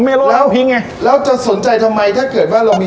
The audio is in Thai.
เหรอผมยังไงและจะสนใจทำไมถ้าเกิดว่าเรามี